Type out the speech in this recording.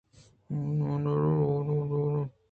آئی ءَ نودربر وانینتگ *اَنت